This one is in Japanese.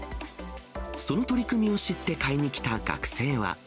その取り組みを知って買いに来た学生は。